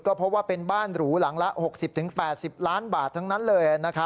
ก็พบว่าเป็นบ้านหรูหลังละ๖๐๘๐ล้านบาททั้งนั้นเลย